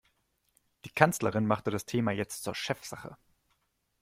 Die Kanzlerin machte das Thema jetzt zur Chefsache.